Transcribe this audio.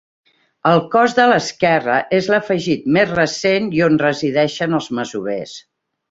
El cos de l'esquerre és l'afegit més recent i on resideixen els masovers.